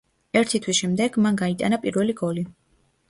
ერთი თვის შემდეგ, მან გაიტანა პირველი გოლი.